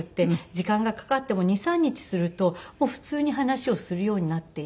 時間がかかっても２３日すると普通に話をするようになっていて。